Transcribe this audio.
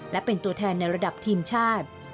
และเป็นตัวแทนในระดับทีมชาติ